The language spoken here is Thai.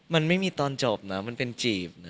มันไม่มีตอนจบนะมันเป็นจีบนะ